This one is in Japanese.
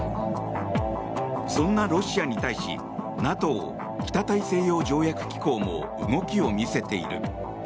そんなロシアに対しＮＡＴＯ・北大西洋条約機構も動きを見せている。